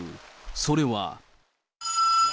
それは。